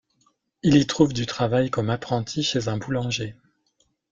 Il y trouve du travail comme apprenti chez un boulanger.